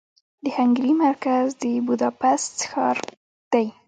د هنګري مرکز د بوداپست ښار دې.